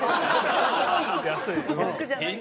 安い。